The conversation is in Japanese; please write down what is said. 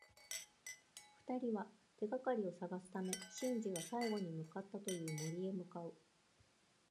二人は、手がかりを探すためシンジが最後に向かったという森へ向かう。